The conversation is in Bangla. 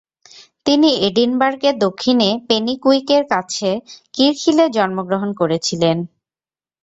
তিনি এডিনবার্গ-এর দক্ষিণে পেনিকুইক-এর কাছে কিরখিলে জন্মগ্রহণ করেছিলেন।